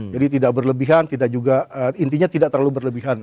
jadi tidak berlebihan tidak juga intinya tidak terlalu berlebihan